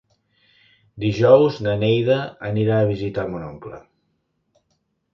Dijous na Neida anirà a visitar mon oncle.